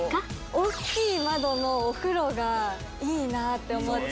大きい窓のお風呂がいいなって思って。